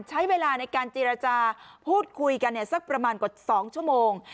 ใช้เวลาในการเจรจาพูดคุยกันสักประมาณกว่า๒ชั่วโมง